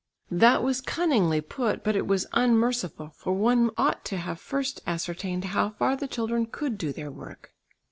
That was cunningly put, but it was unmerciful, for one ought to have first ascertained how far the children could do their work.